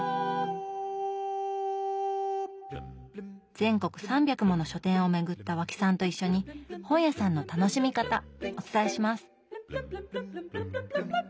全国３００もの書店を巡った和氣さんと一緒に本屋さんの楽しみ方お伝えします！